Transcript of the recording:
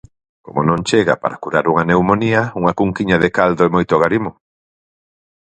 Como non chega para curar unha pneumonía unha cunquiña de caldo e moito agarimo.